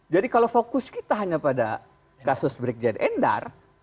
jadi kalau fokus kita hanya pada kasus brigjen endar